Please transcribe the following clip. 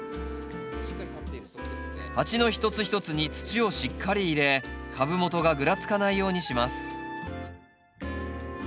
鉢の一つ一つに土をしっかり入れ株元がぐらつかないようにします。